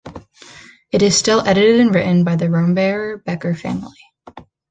It is still edited and written by the Rombauer-Becker family.